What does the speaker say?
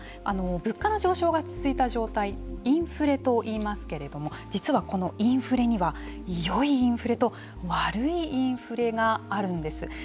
物価の上昇が続いた状態インフレといいますけれども実は、このインフレにはよいインフレと悪いインフレがあるんです。